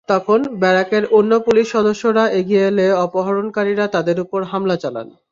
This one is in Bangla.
তখন ব্যারাকের অন্য পুলিশ সদস্যরা এগিয়ে এলে অপহরণকারীরা তাঁদের ওপর হামলা চালান।